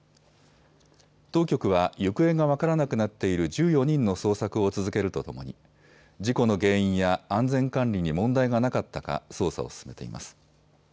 当局は行方が分からなくなっている１４人の捜索を続けるとともに事故の原因や安全管理に問題がなかったか捜査を進めています。